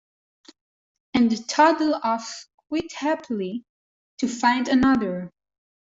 And toddle off quite happily to find another.